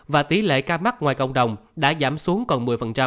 và tỷ lệ ca mắc ngoài cộng đồng đã giảm xuống còn một mươi